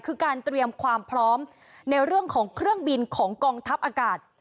คือการเตรียมความพร้อมในเรื่องของเครื่องบินของกองทัพอากาศ